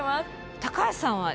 高橋さんは？